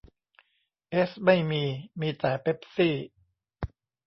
เอสไม่มี มีแต่เป็ปซี่